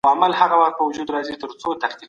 زه غواړم چي په راتلونکي کي استاد سم .